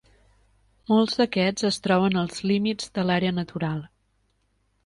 Molts d'aquests es troben als límits de l'àrea natural.